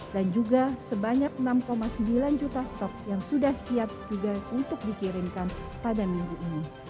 dan juga sebanyak enam sembilan juta stok yang sudah siap juga untuk dikirimkan pada minggu ini